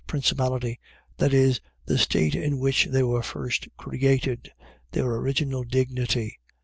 Principality. . .That is, the state in which they were first created, their original dignity.